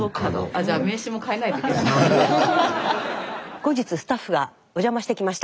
後日スタッフがお邪魔してきました。